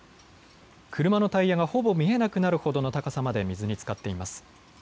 車のタイヤがほぼ見えなくなるほどの高さまで水につかっています。